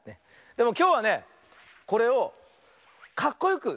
でもきょうはねこれをかっこよくせおってみるよ。